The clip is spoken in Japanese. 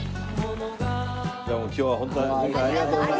今日はホントにありがとうございます。